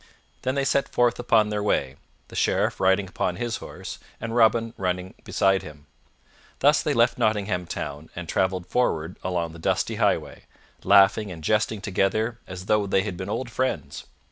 Then they set forth upon their way, the Sheriff riding upon his horse and Robin running beside him. Thus they left Nottingham Town and traveled forward along the dusty highway, laughing and jesting together as though they had been old friends.